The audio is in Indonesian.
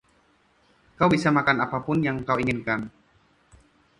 Kau bisa makan apapun yang kau inginkan.